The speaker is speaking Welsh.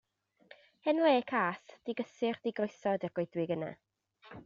Hen le cas, digysur, digroeso ydi'r goedwig yna.